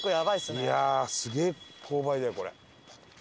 すげえ勾配だよこれ。